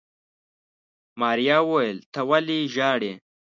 ماريا وويل ته ولې ژاړې.